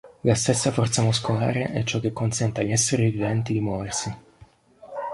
La stessa forza muscolare è ciò che consente agli esseri viventi di muoversi.